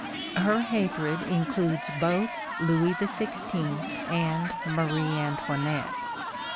Her hatred includes both Louis XVI. and Marie Antoinette.